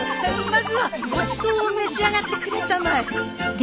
まずはごちそうを召し上がってくれたまえ。